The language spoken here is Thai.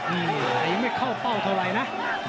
อืมแต่ยังไม่เข้าเป้าเท่าไหร่นะ